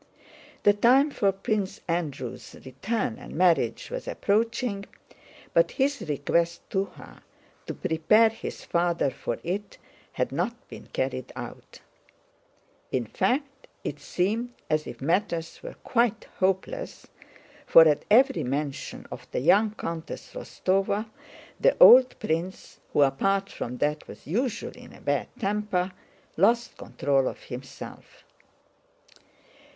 The time for Prince Andrew's return and marriage was approaching, but his request to her to prepare his father for it had not been carried out; in fact, it seemed as if matters were quite hopeless, for at every mention of the young Countess Rostóva the old prince (who apart from that was usually in a bad temper) lost control of himself.